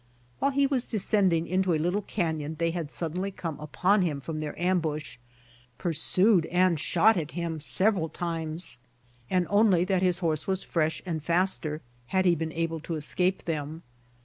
While he w^as descending into a little canyon they had suddenly come upon him from their ambush, pursued and shot at himi several times, and onl}^ that his horse was fresh and faster had he been able to escape them.